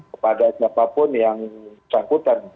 kepada siapapun yang sangkutan